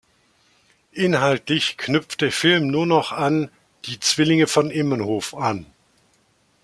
Inhaltlich knüpft der Film nur noch an Die Zwillinge vom Immenhof an.